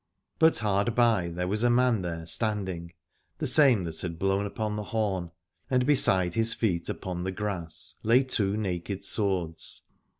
But hard by there was a man there stand ing, the same that had blown upon the horn, and beside his feet upon the grass lay two naked swords.